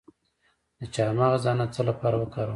د چارمغز دانه د څه لپاره وکاروم؟